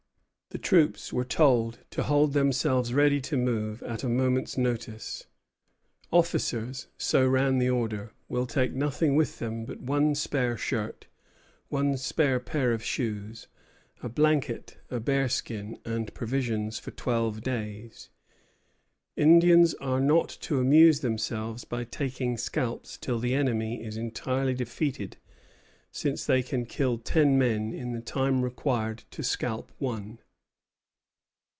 The troops were told to hold themselves ready to move at a moment's notice. Officers so ran the order will take nothing with them but one spare shirt, one spare pair of shoes, a blanket, a bearskin, and provisions for twelve days; Indians are not to amuse themselves by taking scalps till the enemy is entirely defeated, since they can kill ten men in the time required to scalp one.